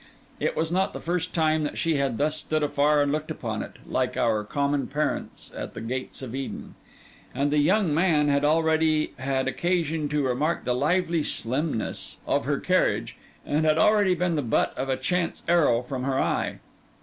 It was not the first time that she had thus stood afar and looked upon it, like our common parents at the gates of Eden; and the young man had already had occasion to remark the lively slimness of her carriage, and had already been the butt of a chance arrow from her eye.